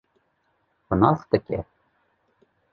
xwe nas dike